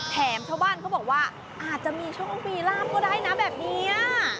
แถมชาวบ้านเขาบอกว่าอาจจะมีช่องปีราบก็ได้นะแบบเนี้ย